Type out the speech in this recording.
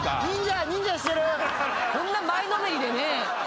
こんな前のめりでね。